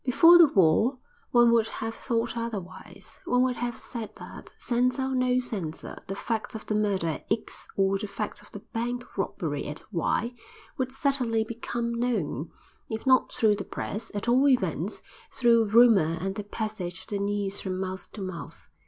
Before the war, one would have thought otherwise; one would have said that, censor or no censor, the fact of the murder at X or the fact of the bank robbery at Y would certainly become known; if not through the Press, at all events through rumor and the passage of the news from mouth to mouth.